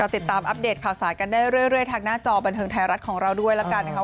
ติดตามอัปเดตข่าวสารกันได้เรื่อยทางหน้าจอบันเทิงไทยรัฐของเราด้วยแล้วกันนะคะ